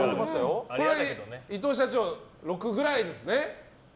これ、伊藤社長６ぐらいですね？